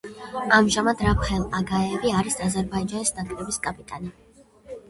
ამჟამად, რაფაელ აგაევი არის აზერბაიჯანის ნაკრების კაპიტანი.